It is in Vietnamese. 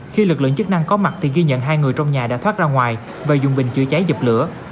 khi lực lượng chức năng có mặt thì ghi nhận hai người trong nhà đã thoát ra ngoài và dùng bình chữa cháy dập lửa